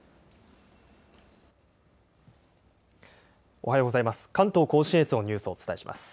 おはようございます。